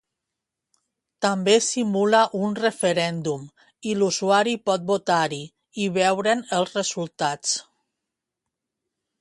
També simula un referèndum i l'usuari pot votar-hi i veure'n els resultats.